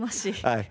はい。